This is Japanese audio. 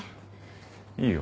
いいよ。